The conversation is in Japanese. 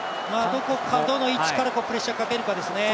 どの位置からプレッシャーをかけるかですね。